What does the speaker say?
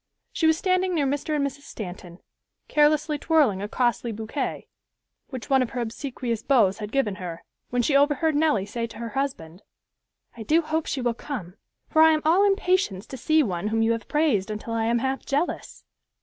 She was standing near Mr. and Mrs. Stanton, carelessly twirling a costly boquet, which one of her obsequious beaux had given her, when she overheard Nellie say to her husband, "I do hope she will come, for I am all impatience to see one whom you have praised until I am half jealous."